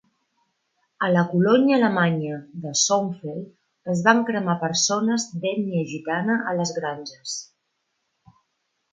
A la colònia alemanya de Shonfeld, es van cremar persones d"ètnia gitana a les granges.